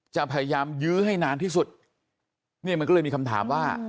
พยายามยื้อให้นานที่สุดเนี่ยมันก็เลยมีคำถามว่า